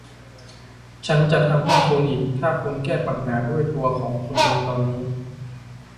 ฉันจะทำให้คุณอีกถ้าคุณแก้ปัญหาด้วยตัวของคุณเองตอนนี้